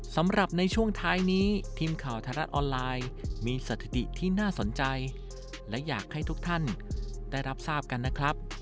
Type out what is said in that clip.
สำหรับในช่วงท้ายนี้ทีมข่าวไทยรัฐออนไลน์มีสถิติที่น่าสนใจและอยากให้ทุกท่านได้รับทราบกันนะครับ